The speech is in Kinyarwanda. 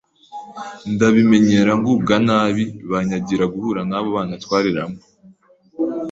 ndabimenyera ngubwa nabi banyagira guhura n’abo bana twareranywe,